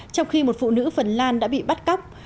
trong khi một phụ nữ phần lan đã bị bắt cóc